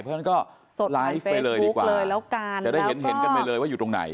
เพราะฉะนั้นก็ไลฟ์ไปเลยดีกว่าจะได้เห็นกันไปเลยว่าอยู่ตรงไหน